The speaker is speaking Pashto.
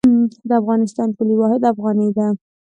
د افغانستان پولي واحد افغانۍ ده